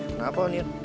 kenapa on yan